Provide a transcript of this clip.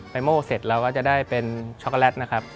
โม่เสร็จเราก็จะได้เป็นช็อกโกแลตนะครับ